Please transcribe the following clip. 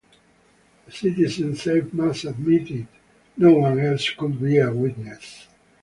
The citizen saved must admit it; no one else could be a witness.